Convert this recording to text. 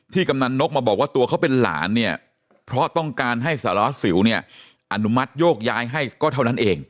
กำนันนกมาบอกว่าตัวเขาเป็นหลานเนี่ยเพราะต้องการให้สารวัสสิวเนี่ยอนุมัติโยกย้ายให้ก็เท่านั้นเอง